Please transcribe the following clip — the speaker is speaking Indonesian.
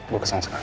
gue kesana sekarang